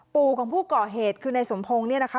ปู่ของผู้ก่อเหตุคือในสมพงศ์เนี่ยนะคะ